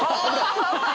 ハハハ